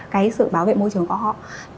cái sự bảo vệ môi trường của họ